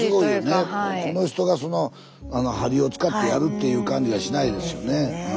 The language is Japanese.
この人が針を使ってやるっていう感じがしないですよね。